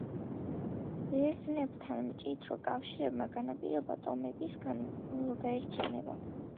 ბერძნებთან მჭიდრო კავშირებმა განაპირობა ტომების გაერთიანება.